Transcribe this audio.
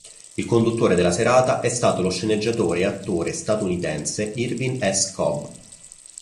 Il conduttore della serata è stato lo sceneggiatore e attore statunitense Irwin S. Cobb.